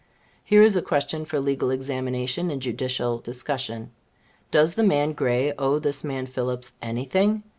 Here is a question for legal examination and judicial discussion. Does the man Gray owe this man Phillips any thing?